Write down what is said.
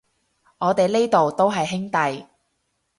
我哋呢度都係兄弟